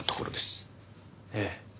ええ。